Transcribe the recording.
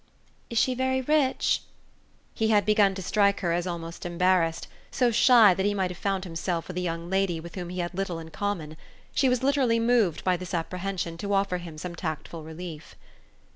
"Is she very rich?" He had begun to strike her as almost embarrassed, so shy that he might have found himself with a young lady with whom he had little in common. She was literally moved by this apprehension to offer him some tactful relief.